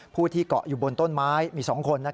ผู้ที่เกาะอยู่บนต้นไม้มี๒คน